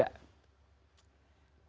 iya makasih atau tidak